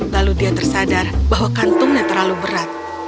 lalu dia tersadar bahwa kantungnya terlalu berat